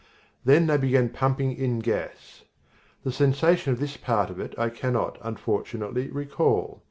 Then they began pumping in gas. The sensation of this part of it I cannot, unfortunately, recall.